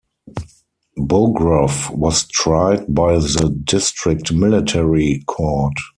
Bogrov was tried by the district military court.